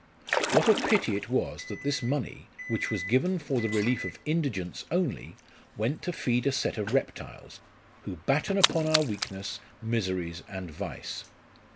What a pity it was that this money, which was given for the relief of indigence only, went to feed a set of reptiles, who batten upon our weakness, miseries, and vice